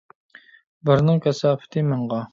بىرنىڭ كاساپىتى مىڭغا.